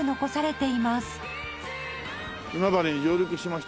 今治に上陸しました。